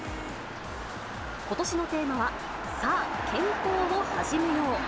ことしのテーマは、さあ、ケンコーをはじめよう！